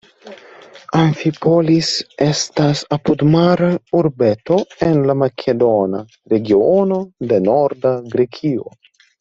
Amfipolis estas apudmara urbeto en la makedona regiono de norda Grekio.